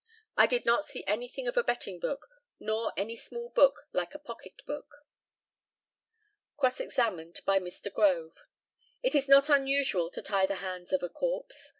I did not see anything of a betting book, nor any small book like a pocketbook. Cross examined by Mr. GROVE: It is not usual to tie the hands of a corpse.